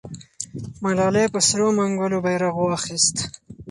ملالۍ په سرو منګولو بیرغ واخیست.